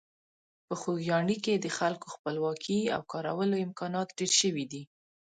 په خوږیاڼي کې د خلکو خپلواکي او کارکولو امکانات ډېر شوي دي.